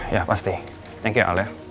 ya pasti thank you ya al ya